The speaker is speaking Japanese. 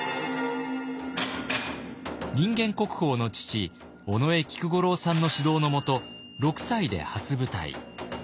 人間国宝の父尾上菊五郎さんの指導のもと６歳で初舞台。